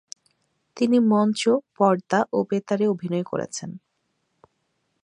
তিনি মঞ্চ, পর্দা ও বেতারে অভিনয় করেছেন।